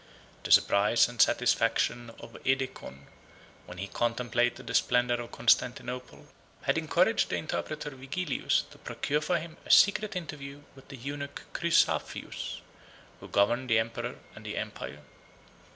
The surprise and satisfaction of Edecon, when he contemplated the splendor of Constantinople, had encouraged the interpreter Vigilius to procure for him a secret interview with the eunuch Chrysaphius, 48 who governed the emperor and the empire.